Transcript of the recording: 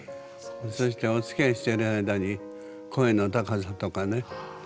そしておつきあいしている間に声の高さとかね